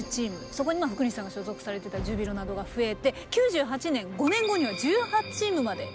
そこに福西さんが所属されてたジュビロなどが増えて９８年５年後には１８チームまで増えました。